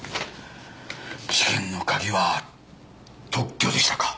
事件の鍵は特許でしたか。